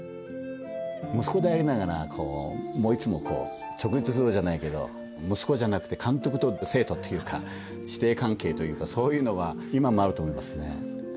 息子でありながらいつもこう直立不動じゃないけど息子じゃなくて監督と生徒というか師弟関係というかそういうのは今もあると思いますね。